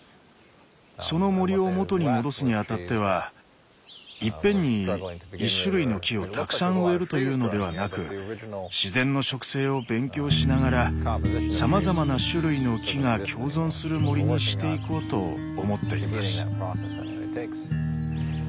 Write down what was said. その森を元に戻すに当たってはいっぺんに１種類の木をたくさん植えるというのではなく自然の植生を勉強しながらさまざまな種類の木が共存する森にしていこうと思っています。